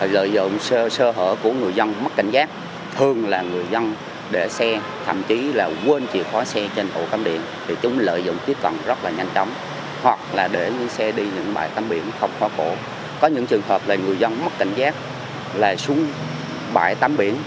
lợi dụng sơ hở của người dân mất cảnh giác thường là người dân để xe thậm chí là quên chìa khóa xe trên hộ khám điện